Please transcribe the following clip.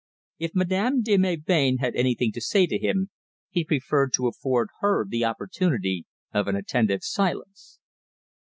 If Madame de Melbain had anything to say to him, he preferred to afford her the opportunity of an attentive silence.